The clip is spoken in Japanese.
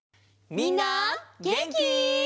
みんなげんき？